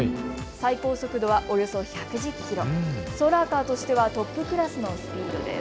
最高速度はおよそ１１０キロ、ソーラーカーとしてはトップクラスのスピードです。